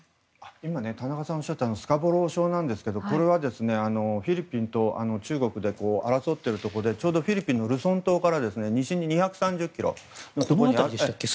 田中さんがおっしゃったスカボロー礁ですけどフィリピンと中国で争っているところがちょうどフィリピンのルソン島から西に２３０ｋｍのところ。